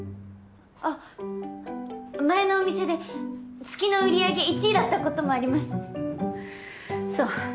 あっ前のお店で月の売り上げ１位だったこともあります。そう。